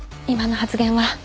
今の発言は。